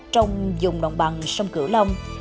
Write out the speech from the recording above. trong dùng đồng bằng sông cửa đông